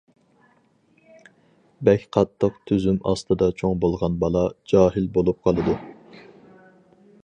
بەك قاتتىق تۈزۈم ئاستىدا چوڭ بولغان بالا، جاھىل بولۇپ قالىدۇ.